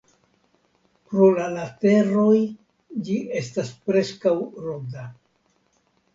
Pro la lateroj ĝi estas preskaŭ ronda.